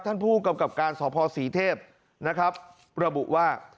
ท่านผู้กำกับการสภศรีเทพนะครับระบุว่า